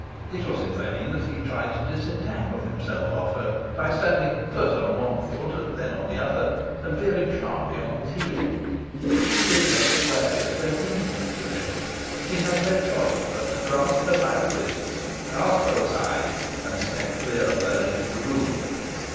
It was in vain that he tried to disentangle himself of her by standing first on one foot, then on the other, and veering sharply on his heel: she did but sway as though hinged to him. He had no choice but to grasp her by the wrists, cast her aside, and step clear of her into the room.